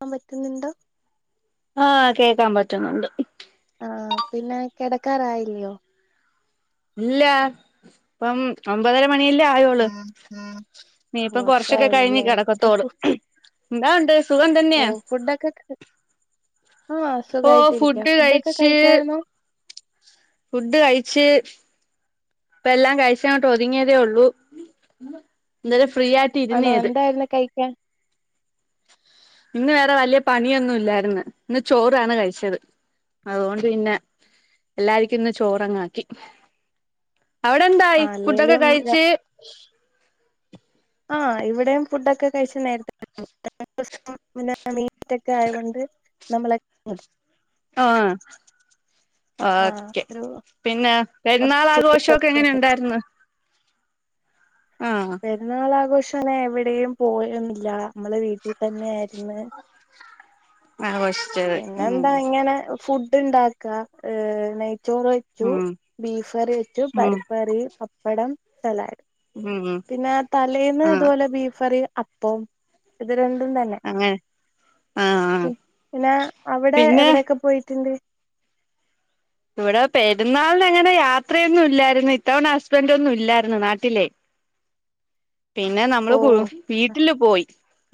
ആ പറ്റുന്നുണ്ടോ ആഹ് കേക്കാൻ പറ്റുന്നുണ്ട് ആ പിന്നെ കിടക്കാറായില്ലയോ ഇല്ല ഇപ്പ ഒമ്പതര മണിയല്ലേ ആയോളു ഓ നീയിപ്പോ അത്രേ കൊറച്ചൊക്കെ കഴിഞ്ഞാ ഉള്ളൂല്ലേ കിടക്കത്തോളു ഇപ്പൊ എന്താ ഉണ്ട് സുഖം ഓ തന്നെയ ഫുഡൊക്കെ ആ ഇപ്പൊ ഫുഡ് സുഖായിട്ടിരിക്ക ഫുഡൊക്കെ കഴച്ച് കഴിച്ചായിരുന്നോ ഫുഡ് കഴച്ച് ഇപ്പ എല്ലാം കഴിച്ച അങ്ങോട്ട് ഒതുങ്ങിയതേ ഉള്ളൂ എന്താ ഫ്രീ ആയിട്ട് ആണോ ഇരുന്നേത് എന്തായിരുന്നു കഴിക്കാൻ ഇന്ന് വേറെ വലിയ പണിയൊന്നും ഇല്ലായിരുന്ന്, ഇന്ന് ചോറാണ് കഴിച്ചത് അതുകൊണ്ട് പിന്നെ എല്ലാർക്കും ഇന്ന് ചോറങ്ങാക്കി അവിടെ എന്തായി ആ ഫുഡൊക്കെ അല്ലേലും കഴച്ച് ആഹ് ഇവിടെയും ഫുഡൊക്കെ കഴിച്ച് നേരത്തെ പിന്നെ വീറ്റൊക്കെ ആയൊണ്ട് നമ്മള ആഹ ആ ഓക്കെ ഒരു പിന്നെ കുറച്ച് പെരുന്നാൾാഘോഷമൊക്കെ എങ്ങനെ ഉണ്ടായിരിന്ന് പെരുന്നാളാഘോഷം എവിടെയും പോയൊന്നുല്ല നമ്മള് വീട്ടിൽ തന്നെയായിരുന്നു ആഘോഷിച്ചത് ഉം പിന്നെന്താ ഇങ്ങനെ ഫുഡ് ണ്ടാക്കാ ഏ നയ് ചോറ് വെച്ചു ഉം ബീഫറി വെച്ചു പരിപ്പറി പപ്പടം സലാഡ് ഉം ഉം ത്തിന്നെ തലേന്ന് ആഹ് ഇതുപോലെ ബീഫറി അപ്പോം ഇത് രൻ തും തന്നെ അങ്ങനെ ആഹ് പിന്നേ അവിടെ പിന്നെ എവിടൊക്കെ പോയിട്ടുണ്ട് ഇവ്ടെ പെരുന്നാളിനിങ്ങനെ യാത്രയൊന്നും ഇല്ലായിരുന്നു ഇത്തവണ ഹസ്ബന്റോന്നും ഇല്ലായിരുന്നു നാട്ടില് പിന്നെ ഓ നമ്മള് കൂ വീട്ടില് പോയി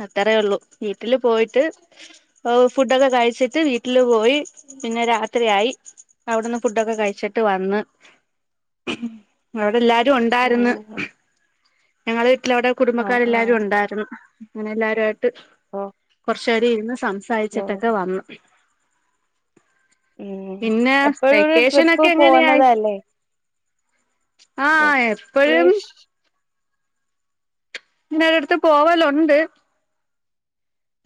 അത്രേ ഉള്ളൂ വീട്ടില് പോയിട്ട് ഓ ഫുഡൊക്കെ കഴിച്ചിട്ട് വീട്ടില് പോയി പിന്നെ രാത്രിയായി അവിടുന്ന് ഫുഡൊക്കെ കഴിച്ചിട്ട് വന്ന് അവിടെ എല്ലാ റ്റു ഓ ഒണ്ടാരുന്നു ഞങ്ങളെ വീട്ടിലവിടെ ആഹ് കുടുംബക്കാരെല്ലാരും ആഹ് ഒണ്ടാരുന്നു അങ്ങനെ എല്ലാരായിട്ട് ഓ കൊറച്ചേരം ഇരുന്ന് ഓ സംസാരിച്ചിട്ടൊക്കെ വന്നു ഉം പിന്നെ എപ്പോഴും ഒരു ട്രിപ്പ് വെക്കേഷനൊക്കെ പോവ്ന്നതല്ലേ ആ എപ്പഴും പിന്നെരോട്ത്ത് പോവല്ണ്ട്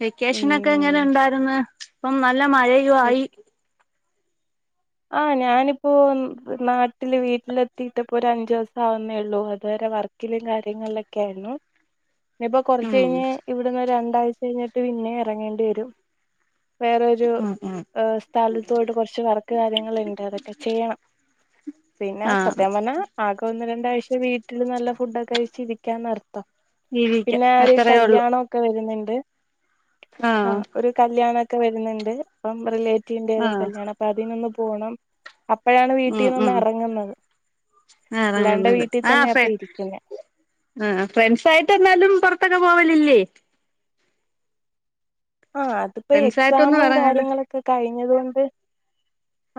വെക്കേഷനൊക്കെങ്ങനെ ഉം ഉണ്ടാര്ന്ന് ഇപ്പം നല്ല മയയു ആയി ആ ഞാനിപ്പോ നാട്ടില് വീട്ടിലെത്തിട്ട്പ്പോ ഒരഞ്ചൂസം ആവുന്നേ ഉള്ളൂ അതേരെ വർക്കിലും കാര്യങ്ങളിലൊക്കാരുന്നു ഇഞ്ഞ്പ്പൊ ഉം കൊറച്ച്യ്ഞ്ഞ് ഇവിടുന്ന് രണ്ടാഴ്ചഴിഞ്ഞിട്ട് പിന്നെ ഇറങ്ങേണ്ടി വരും വേറൊരു ഉം ഉം അ സ്ഥലത്തോട്ട് കുറച്ച് നട കാര്യങ്ങളുണ്ട് അതൊക്കെ ചെയ്യണം പിന്നെ ആഹ് സത്യം പറഞ്ഞാ ആകൊന്ന് രണ്ട് ഒരാഴ്‌ച വീട്ടിൽ നല്ല ഫുഡൊക്കെയിച്ചിരിക്കാന്നർ ത്ത ജീവിക്കാം പിന്നൊരു അത്രയേ ഉള്ളൂ കല്യാണൊക്കെ വരുന്നുണ്ട് എ ആ ആഹ് ഒരു കല്യാണെക്കെ വരുന്ന്ണ്ട് നമ്മുടെ റിലേറ്റഡ് ന്റെതോ ആഹ് കല്യാണം അപ്പൊതിനൊന്ന് പോണം അപ്പഴാണ് വീട്ടിന്നൊന്ന് എറങ്ങുന്നത് [unintelligible] [unintelligible] [unintelligible] ആ ആ ഇരിക്കുന്നത് ആ ഫ്രണ്ട്സായിട്ടന്നാലും പ്പൊന്നും പോവലില്ലേ ആ അതിപ്പോ ഫ്രണ്ട്സായിട്ടൊന്നും എക്സാമും ഇറങ്ങല് കാര്യങ്ങളൊക്കെ കഴിഞ്ഞതുകൊണ്ട്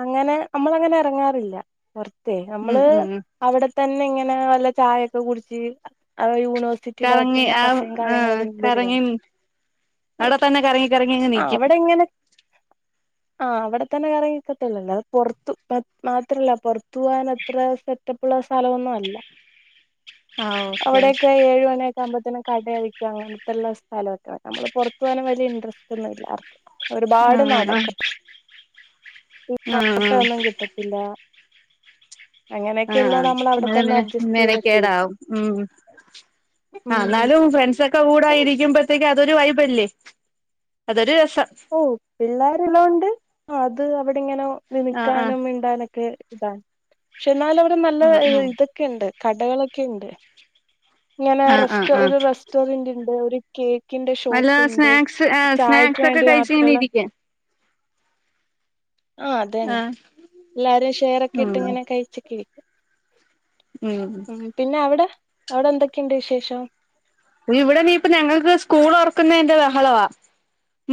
അങ്ങനെ നമ്മളങ്ങനെ എറങ്ങാറില്ല പുറത്തേ ഉം നമ്മള് ഉം അവിടെത്തന്നെ ഇങ്ങ ന നല്ല ഛായൊക്കെ കുടിച്ച് അങ്ങനെ യൂ യൂണിവേഴ്സിറ്റിയുടെ കറങ്ങി അടുത്തന്നെ ആ കഫിം കാര്യങ്ങളൊക്കെ [unintelligible] അടെ തന്നെ കറങ്ങി കറങ്ങിങ്ങ് നീക്കും ആ അവിടെത്തന്നെ കറങ്ങിക്ക ട്ടെല്ലല്ലാ പൊറത്തു മാത്രല്ല പൊറത്തു പോവാനത്ര സെറ്റപ്പുള്ള സ്ഥലവൊന്നുവല്ല ആഹ് ഓക്കെ അവിടൊക്കെ ഏഴ് മണിയൊക്കെ ആം പത്തിനും കടായിട്ട് അങ്ങൻത്തുള്ള സ്ഥലൊക്കെ നമ്മള് പൊറത്തു പോവാനും വലിയ ഇൻട്രസ്റ്റ് ഒന്നുല്ല ആൾക്ക് ഒരുപാട് ആഹ് ആഹ് നടക്ക ആഹ് [unintelligible] ആഹ് ഒന്നും കിട്ടത്തില്ല ആ അങ്ങനെയൊക്കെ ഉള്ളോണ്ട് അങ്ങനെ നമ്മൾ അവിടെ തന്നെ പിന്നെ അഡ്ജസ്റ്റ് ചെയ്തൊക്കെ ഇരിക്കും മേനക്കേടാവും ഉം ആ ഉം ന്നാലും ഫ്രണ്ട്സൊക്കെ കൂടായിരിക്കുമ്പോത്തേക്കും അതൊരു വയ്ബല്ലേ അതൊരു രസം ഓ പിള്ളേരെല്ലോണ്ട് അത് അവിടെങ്ങനെ ആഹ് ആഹ് നിൽക്കാനും മിണ്ടാനൊക്കെ താ ക്ഷെന്നാലവിടെ നല്ല ആഹ് ഇതൊക്കെണ്ട് കടകളൊക്കെണ്ട് ങ്ങനെ ആഹ് ആഹ് ആഹ് റെസ്റ്റ ആഹ് ഒരു റെസ്റ്റോറന്റ്ണ്ട് ഒരു കേ ക്കിന്റെ വല്ല ഷോപ്പിണ്ട് സ്നാക്സ് ആഹ് ഛായക്ക് സ്നാക്സ് ഒക്കെ വേണ്ടി കഴിച്ച് ഇങ്ങനെ മാത്രള്ള ഇരിക്കാ ആ അത് അന്നെ ആഹ് എല്ലാരും ഉം ഷെയറൊക്കിട്ടിങ്ങനെ കഴിച് കി ഉം പിന്നെ അവ്‌ടെ അവ്‌ടെ എന്തൊക്കെണ്ട് വിശേഷം ഇവിടെ നീ ഇപ്പ ഞങ്ങക്ക് സ്കൂള് തൊറക്കുന്നതിന്റെ ബഹളാ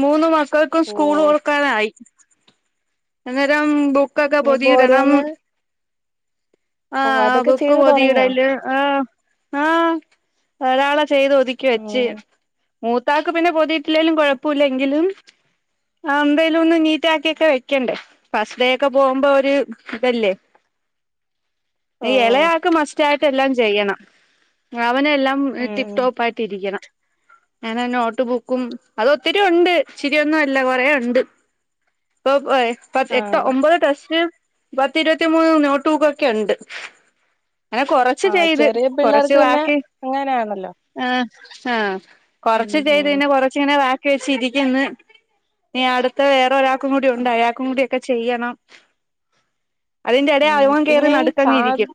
മൂന്ന് മാസ ക്കൾക്കും ഓ സ്കൂള് ഒറക്കാനായി അന്നേരം ബുക്ക് -ക്കൊക്കെ ഇനിയിപ്പോ പൊതീടണം ഓരോന്ന് ആ ഓ അതൊക്കെ ബുക്ക് ചെയ്ത് തുടങ്ങിയോ പൊതീടല് ഹ് ആ ഒരാള ചെയ്ത് ഒതുക്കി വെച്ച് ഉം മൂത്താക്ക് പിന്നെ പൊതിട്ടിലേലും കുഴപ്പില്ലെങ്കിലും അമ്പേലുന്ന് നീറ്റാക്കിയൊക്കെ വെക്കണ്ടേ ഫസ്ഡേ ഒക്കെ പോകുമ്പോ ഒരു തല്ലേ ഓ ഇളയ ആൾക്ക് മസ്റ്റായിട്ട് എല്ലാം ചെയ്യണം. വനെല്ലാം ടിപ്പ് ഉം ടോപ്പ് ആയിട്ടിരിക്കണം. ഞാനാ നോട്ടുബുക്കും. അത് ഒത്തിരി ഉണ്ട് ഇച്ചിരിഒന്നുമല്ല കുറെയുണ്ട്. പോ പോ പ്പം ആ എട്ടൊ ഒമ്പത് ടെക്സ്റ്റ്‌ പത്തിരുപതിമൂന്ന് നോട്ബുക്കൊക്കെയുണ്ട്. ങ്ങനെ കൊറച്ച് ആഹ് ചെയ്ത് ചെറിയ കൊറച്ച് പിള്ളേർക്ക് പിന്നെ ബാക്കി അങ്ങനെയാണല്ലോ ആഹ്. ആ ഉം കൊറച്ച് ചെയ്ത് പിന്നെ കൊറച്ചങ്ങനെ ബാക്ക് ക്കെ ചിരിക്ക്ന്ന് ഇനി അടുത്ത വേറൊരാക്കും കൂടി ഉം ഉണ്ട് അയാക്കും കൂടി. ക്കെ ചെയ്യണം അതിന്റെടെ ഉം അവൻ കേറി പിന്നെ ഈ സാ നടുക്കങ്ങിരിക്ക്യും.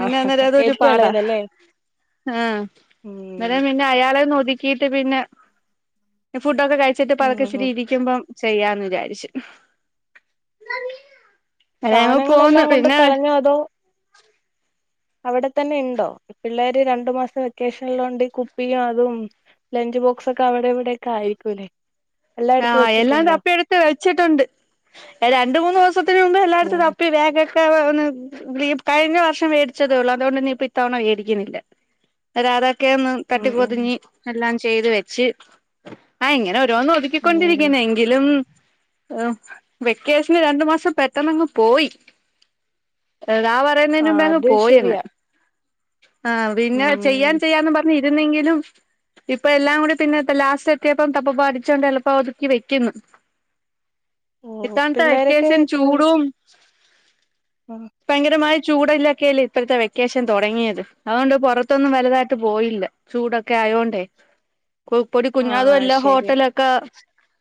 പിന്നെ അന്നേരം അതൊരു ഏറ്റവും പാടാ. ഇളയതല്ലേ ആഹ് ഉം അന്നേരം പിന്നെ അയാളെന്നൊതി ക്കീട്ട് പിന്നെ ഫുഡൊക്കെ കഴിച്ചിട്ട് പതുക്കെച്ചിരി ഉം ഇരിക്കുമ്പം. ചെയ്യാന്ന് വിചാരിച്ച്. സാധനങ്ങളെല്ലാം [unintelligible] കൊണ്ട് പിന്നെ അവിടെത്തന്നെയുണ്ടോ പിള്ളേര് രണ്ടു മാസത്തെ വെക്കേഷനുള്ളൊണ്ട് കുപ്പിയും അതും ലഞ്ച് ബോക്സ് ഒക്കെ അവിടെ ഇവിടെ ഒക്കെ ആയിരിക്കുംല്ലേ ആ എല്ലാം തപ്പി എടുത്ത് വെച്ചിട്ടുണ്ട് രണ്ട് മൂന്ന് ദിവസത്തിന് മുമ്പ് എല്ലായിടത്തും ഉം തപ്പി ബാഗ് [unintelligible] ഈ കഴിഞ്ഞ വർഷം മേടിച്ചതേ ഉള്ളു അതുകൊണ്ട് നീയിപ്പൊ ഇത്തവണ മേടിക്കുന്നില്ല [unintelligible] ക്കെന്ന് തട്ടി ഉം ഉം പൊതിഞ്ഞ് എല്ലാം ചെയ്ത് വെച്ച് ആ ഇങ്ങനെ ഓരോന്ന് ഉം കൊണ്ടിരിക്കനെങ്കിലും ഓ വെക്കേഷന് രണ്ടു മാസം പെട്ടെന്നങ്ങ് പോയി ഇതാ പറയുന്നേന് ആഹ് മുമ്പേ അങ്ങ് അത് പോയങ് ശരിയാ ആ പിന്നെ ചെയ്യാൻ ഉം ചെയ്യാന്ന് പറഞ്ഞ് ഇരുന്നെങ്കിലും ഇപ്പ എല്ലാം കൂടി പിന്നെ ലാസ്റ്റ് എത്തിയപ്പോ തപ്പപ്പ അടിച്ചൊണ്ട് എളു ഇപ്പൊ ഒതുക്കി വെക്കുന്നു ഓ ഇത്തണത്തെ പിള്ളേരൊക്കെ വെക്കേഷൻ ടൂ ചൂടും പയങ്കരമായി ചൂടിലോക്കയല്ലേ ഇപ്പോഴത്തെ വെക്കേഷൻ തുടങ്ങിയത് അതുകൊണ്ട് പുറത്തൊന്നും വലുതായിട്ട് പോയില്ല ചൂടൊക്കെ ആ അയോണ്ടേ [inaudible] പൊടികുഞ്ഞ ആഹ് അതുമല്ല ശരിയാ ഹോട്ടലൊക്കെ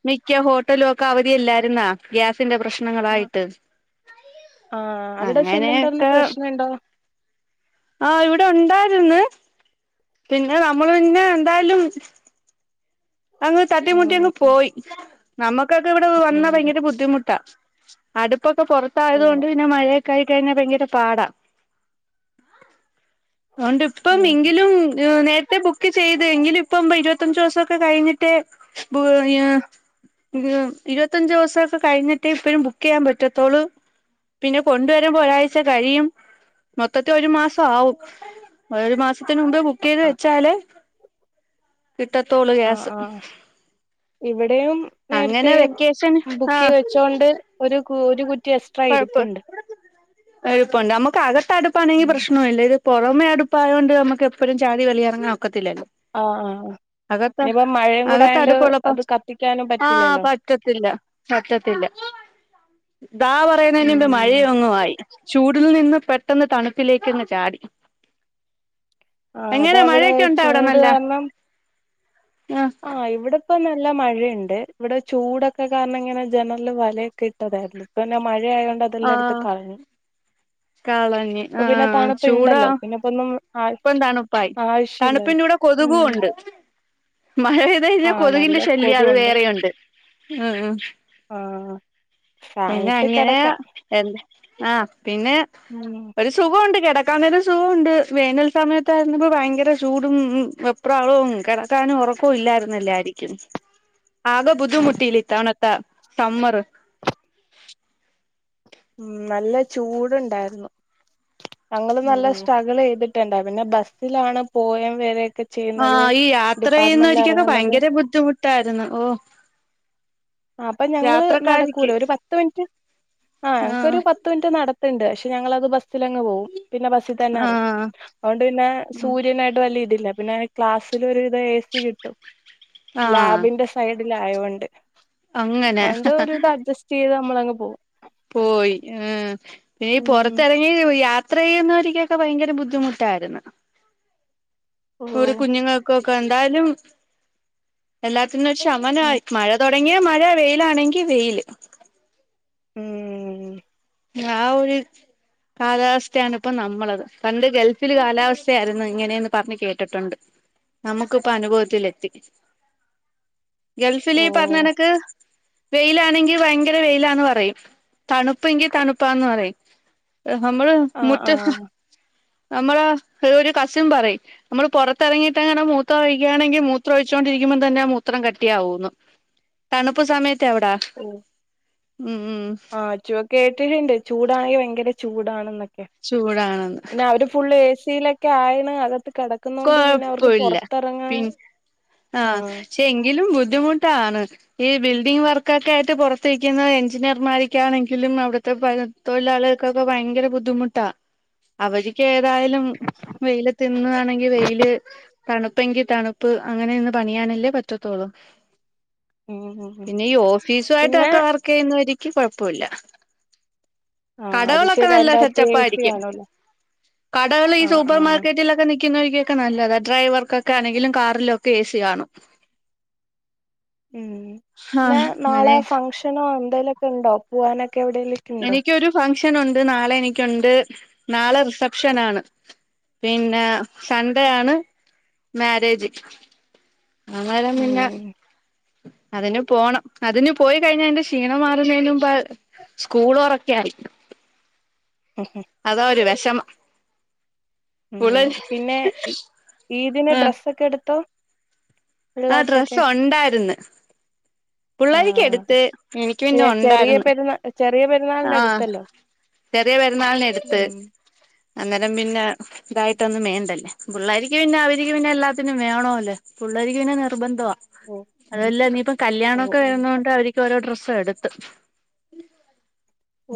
മിക്ക ഹോട്ടലൊക്കെ അവധിയല്ലായിരുന്നോ ഗ്യാസ് തിന്റെ പ്രശ്നങ്ങളായിട്ട്. ആഹ് അവിടെ സിലിണ്ടർന് പ്രശ്നണ്ടോ? ആഹ് ഇവിടെ ഉണ്ടായിരുന്ന്. പിന്നെ നമ്മള് പിന്നെ എന്തായ്ലും. അങ്ങ് തട്ടിമുട്ടി ഉം അങ്ങ് പോയി നമുക്കൊക്കെ ഇവിടെ വന്നാ ഉം ഭയങ്കര ബുദ്ധിമുട്ടാ അടുപ്പൊക്കെ പൊർത്തായത് ഉം കൊണ്ട് പിന്നെ മഴയെ. യായി കഴിഞ്ഞാ ഭയങ്കര പാടാ അതൊണ്ട് ഇപ്പം ഉം എങ്കിലും നേരത്തെ ബുക്ക് ചെയ്ത് എങ്കിലും ഇപ്പം ഇരുപത്തഞ്ചു ദിവസം. ക്ക കഴിഞ്ഞിട്ട് [unintelligible] ഇവരോ ഇരുപത്തഞ്ചുവസൊക്കെ കഴിഞ്ഞിട്ടേ ഇപ്പഴും ബുക്കെയ്യാ പറ്റത്തോളൂ. പിന്നെ കൊണ്ടുവരുമ്പ ഒരാഴ്ച കഴിയും. മൊത്തത്ത് ഒരു മാസാവും ഒരരു മാസ ത്തിന് മുമ്പേ ബുക്കെയ്ത് ആഹ് വെച്ചാല് കിട്ടത്തുളു ആഹ് ഗ്യാസ്. ആഹ് ഇവിടെയും അങ്ങനെ നേര്ത്തെ വെക്കേഷൻ ആഹ് ബുക്കെയ് വെച്ചോണ്ട് ഒരു. കു ഒരു കുറ്റി എക്സ്ട്രാ ഇരിപ്പ്ണ്ട്. എളുപ്പണ്ട് നമ്മക്കകത്തടുപ്പാണെങ്കി ഉം പ്രശ്നവല്ല ഇത്. പൊറമെ അടുപ്പായതുകൊണ്ട് നമുക്ക് എപ്പോഴും ചാടി വെളി ഇറങ്ങാനോക്കത് ആഹ ആഹ ഇനിപ്പ മഴയും കൂട അകത്ത് ആയോണ്ട് അത് അടുപ്പുള്ളപ്പോ കത്തിക്കാനും ആഹ് പറ്റില്ലല്ലോ. [inaudible] പറ്റത്തില്ല പറ്റത്തില്ല ദാ പറയുന്നതിനമ്പ് മഴയ ഉം ങ്ങുവായി ചൂടിൽ നിന്ന് പെട്ടെന്ന് തണുപ്പിലേക്കങ്ങ് ചാടി ആഹ് എങ്ങനാ അതവിടെ മഴയൊക്കെ ഉണ്ടാ അവിടെ നല്ല ആഹ് ആ ഇവിടെ ഇപ്പൊ നല്ല മഴയുണ്ട് ഇവിടെ ചൂടൊക്കെ കാരണം ഇങ്ങനെ ജനല് വലയൊക്കെ ഇട്ടതായിരുന്നു ഇപ്പന്നെ മഴ മഴ ആയൊണ്ട് അതെല്ലായിടത്ത് ആഹ് കളഞ്ഞു കളഞ്ഞ് ഇപ്പ പിന്നെ ആഹ് തണുപ്പ് ചൂടാ ഇണ്ടല്ലോ പിന്നെ ഇപ്പൊന്നും ഇപ്പം തണുപ്പായി തണുപ്പിന്റെൂടെ കൊതുകും ഉം ഉണ്ട് മഴ പെയ്തഴിഞ്ഞാൽ ആഹ് കൊതുകിന്റെ നല്ല ശല്യം അത് കൊതുവുണ്ട് വേറെയുണ്ട് ഉം ഉം ആ പിന്നെ അങ്ങനെ എ ആ പിന്നെ ഉം ഒരു സുഖംണ്ട് കിടക്കനൊരു സുഖമുണ്ട് വേനൽ സമയത്തായിരുന്നപ്പോ ഭയങ്കര ചൂടും വെപ്രാളവും കിടക്കാ ക്കാനോ ഉറക്കോ ഇല്ലായിരുന്നല്ലോ ആരിക്കും ആകെ ആഹ് ബുദ്ധിമുട്ടിലിത്ത വണത്തെ സമ്മറ് ഉം നല്ല ചൂടുണ്ടായിരുന്നു ഞങ്ങള് നല്ല ഉം സ്ട്രഗിൾ ചെയ്തിട്ട് ണ്ട പിന്നെ ബസ്സിലാണ് പോവേ വരെ ആ ഈ യാത്ര ചെയ്യുന്ന ഒരിക്കൊക്കെ ഇറങ്ങുന്നത് ഭയങ്കര ബുദ്ധിമുട്ടായിരുന്നു ഓ ആ അപ്പൊ ഞങ്ങള് യാത്രക്കാരിക്ക് നടക്കൂല ഒരു പത്ത് മിനിറ്റ് ആ ആഹ് ഞങ്ങക്കൊരു പത്ത് മിനിറ്റ് നട ണ്ട് പക്ഷെ ഞങ്ങളത് ബസ്സിലങ്ങ് പോം പിന്നെ ബസ്സിൽ തന്നെ അറ ആഹ് അതുകൊണ്ട് പിന്നെ ഉം സൂര്യനായിട്ട് വലിയ ഇതില്ല പിന്നെ ക്ലാസ്സിലൊരുവിധം എ സി കിട്ടും ആഹ് ലാബിന്റെ സൈഡില് ആയൊണ്ട് അങ്ങനെ അതുകൊണ്ട് ഒരു ഇത് അഡ്ജസ്റ്റ് ചെയ്ത് നമ്മളങ്ങ് പോം പോയി ഉം പിന്നെ ഉം പുറത്തിറങ്ങി യാ യാത്രചെയ്യുന്നവരിക്കെ ഭയങ്കര ബുദ്ധിമുട്ടായിരുന്നു ഇപ്പ ഓഹ് കുഞ്ഞുങ്ങൾക്ക് എന്തായാലും എല്ലാത്തിനും ഒരു ശമനമായി മഴ തുട തുടങ്ങിയാ മഴ വെയിലാണെങ്കി വെയില് ഉം ആ ഒരു കാലാവസ്ഥയാണ് ഇപ്പം നമ്മളത് പണ്ട് ഗൾഫിൽ കാലാവസ്ഥയായിരുന്നു ഇങ്ങനെയന്ന് പറഞ്ഞ് കേട്ടിട്ടുണ്ട് നമുക്കിപ്പം അനുഭവത്തില് എത്തി ഓ ഗൾഫില് ഇ പറഞ്ഞോണക്ക് വെയിലാണെങ്കിൽ ഭയങ്കര വെയിലാന്ന് പറയും തണുപ്പ് പ്പെങ്കി തണുപ്പാന്ന് പറയും നമ്മള് ആഹ് മുറ്റ ആഹ് നമ്മള ഒരു കസിൻ പറയും നമ്മള് പുറത്തിറങ്ങിയിട്ട്ങ്ങനെ മൂത്രഴിക്കുകയാണെങ്കിൽ മൂത്ര ഒഴിച്ചൊണ്ടിരിക്കും തന്നെ മൂത്രം കട്ടിയാവുന്നു തണുപ്പ് സമയത്ത് അവിടെ ആ ചൂക്കെ കേട്ടിട്ടുണ്ട് ചൂടാണെങ്കിൽ ഭയങ്കര ചൂടാണെന്നൊക്കെ ചൂടാണെന്ന് പിന്നെ അവര് ഫുള്ള് എ സിയിലൊക്കെ ആയിണ് അത് കിടക്കുന്നൊണ്ട് പിന്നെ അവർക്ക് പുറത്തിറങ്ങാൻ ആ ആഹ് പക്ഷെ എങ്കിലും ബുദ്ധിമുട്ടാണ് ഈ ബിൽഡിംഗ് വർക്കൊക്കെ ആയിട്ട് പുറത്തിരിക്കുന്ന എഞ്ചിനീയർമാർക്കാണെങ്കിലും അവിടുത്തെ പ തൊഴിലാ ലാളിക്കൊക്കേ ഭയങ്കര ബുദ്ധിമുട്ടാ അവരിക്ക് ഏതായാലും വെയിലത്ത് നിന്ന് വെയില് തണുപ്പെങ്കിൽ തണുപ്പ് അങ്ങനെ ഇന്ന് പണിയാനല്ലേ പറ്റത്തോള്ളൂ ഉം ഉം ഉം പിന്നെ ഈ ഓഫീസു പിന്നെ ആയിട്ടൊക്കെ വർക്ക് ചെയ്യുന്നവക്ക് കൊഴപ്പമില്ല ആഹ് അത് കടകളൊക്കെ ശരി നല്ല അതിന്റകത്ത് എ സി സെറ്റപ്പായിരിക്കും കാണുവല്ലോ കടകള് ഈ ആഹ് സൂപ്പർ ആഹ് മാർക്കറ്റി ലൊക്കേ നി നിക്കുന്നവരിക്കൊക്കെ നല്ലതാ ഡ്രൈവർക്കൊക്കെ ആണെങ്കിലും കാറിലൊക്കെ എ സി കാണും ഉം പിന്നാ ആഹ് നാളെ അങ്ങനെ ഫങ്ഷനോ എന്തെലൊക്കെ ഉണ്ടോ പോവാനൊക്കെ എവിടെയല്ലിട്ടുണ്ടോ. ഷനുണ്ട്, നാളെനിക്കുണ്ട്, നാളെ, റീസെപ്ഷനാണ്. പിന്നെ, സൺഡേ, ആണ്, മാരേജ്. അന്നേരം പിന്നെ ഉം. അതിന്, പോണം, അതിന് പോയി, കഴിഞ്ഞാ, എന്റെ ക്ഷീണം, മാറുന്നതിന സ്കൂളോറക്കയായി ഉം അതാ, ഒരു, വിഷമം. ഉം, പുള്ളേര് പിന്നെ, ഈതിന്, ആഹ് ഡ്രസ്സക്കെ, എടുത്തോ. ആ, പിള്ളേർക്കൊക്കെ ഡ്രസ്സൊണ്ടായിരുന്നു. പുള്ളരിക്ക് ആഹ് എടുത്ത് എനിക്ക് പിന്നെ ചെറിയ ഉണ്ടായിന്ന് പെരുന്നാ ചെറിയ പെരുന്നാളിന്റെ ആഹ് അടുത്തല്ലോ ചെറിയ പെരുന്നാളിനടുത്ത് ഉം അന്നേരം പിന്നെ ഇതായിട്ടൊന്നും മേണ്ടല്ലേ പിള്ളേരിക്ക് പിന്നെ അവരിക്ക് പിന്നെ എല്ലാത്തിനും വേണോല്ലേ പിള്ളേരിക്ക് പിന്നെ നിർബന്ധ വാ ഓ അതല്ല ഇനീയിപ്പ ഓ കല്യാണമൊക്കെ ഓ വരുന്നൊണ്ട് അവര് ക്കോരോ ഡ്രെസ്സ എടുത്ത്.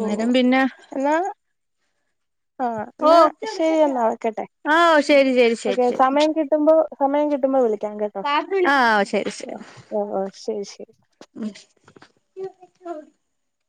ഓ പിന്നെ എന്നാ അ ഓ എന്നാ ശെരിയെന്നാ വെക്കട്ടെ ഓ ശരി ശരി ശരി ശരി സമയം കിട്ടുമ്പോ സമയം കിട്ടുമ്പോ വിളി. ആ ശെരി ശെരി. ഓ ഓ ശരി ശരി